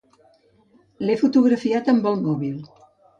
L'he fotografiat amb el mòbil.